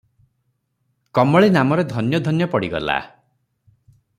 କମଳୀ ନାମରେ ଧନ୍ୟ ଧନ୍ୟ ପଡ଼ିଗଲା ।